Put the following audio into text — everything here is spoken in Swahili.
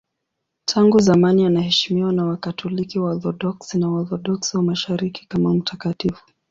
Tangu zamani anaheshimiwa na Wakatoliki, Waorthodoksi na Waorthodoksi wa Mashariki kama mtakatifu.